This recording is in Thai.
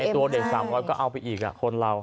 ตัวเด็ก๓๐๐ก็เอาไปอีกคนเรา